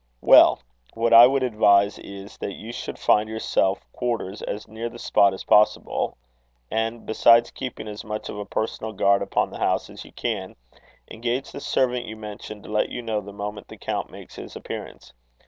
"Well, what I would advise is, that you should find yourself quarters as near the spot as possible; and, besides keeping as much of a personal guard upon the house as you can, engage the servant you mention to let you know, the moment the count makes his appearance.